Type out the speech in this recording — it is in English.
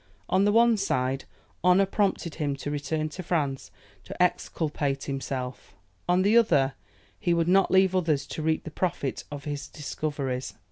On the one side, honour prompted him to return to France to exculpate himself; on the other, he would not leave others to reap the profit of his discoveries.